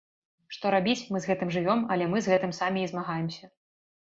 Што рабіць, мы з гэтым жывём, але мы з гэтым самі і змагаемся.